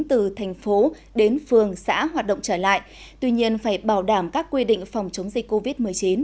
từ thành phố đến phường xã hoạt động trở lại tuy nhiên phải bảo đảm các quy định phòng chống dịch covid một mươi chín